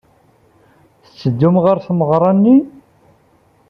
I teddum ɣer tmeɣra-nni?